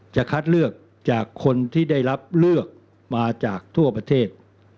จะคัดเลือกจากคนที่ได้รับเลือกมาจากทั่วประเทศ